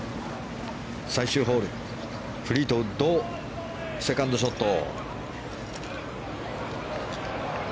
最終ホール、フリートウッドセカンドショット。